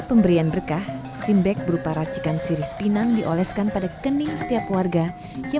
pemberian berkah simbek berupa racikan sirih pinang dioleskan pada kening setiap warga yang